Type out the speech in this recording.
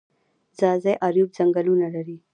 ځاځي اریوب ځنګلونه لري؟